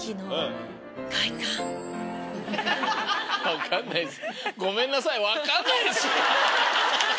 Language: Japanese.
分かんないっす。